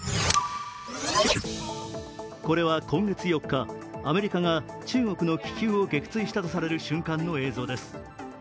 これは今月４日、アメリカが中国の気球を撃墜したとされる瞬間の映像です。